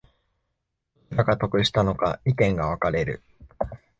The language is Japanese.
どちらが得したのか意見が分かれる